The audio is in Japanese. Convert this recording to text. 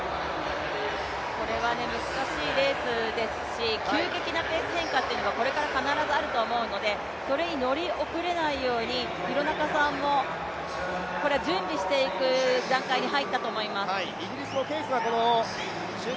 これは難しいレースですし、急激なペース変化というのがこれから必ずあると思うので、それに乗り遅れないように廣中さんも準備していく段階に入ったと思います。